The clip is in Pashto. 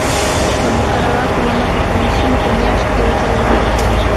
د مقرراتو له مخې کمیسیون په میاشت کې یو ځل غونډه کوي.